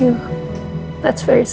itu sangat baik dari mama